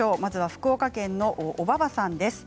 福岡県の方からです。